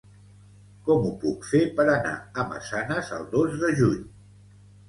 Com ho puc fer per anar a Massanes el dos de juny?